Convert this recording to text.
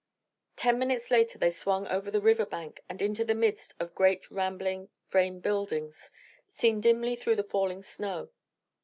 Ten minutes later they swung over the river bank and into the midst of great rambling frame buildings, seen dimly through the falling snow.